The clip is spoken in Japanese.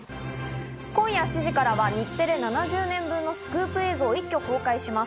今夜７時からは日テレ７０年分のスクープ映像を一挙公開します。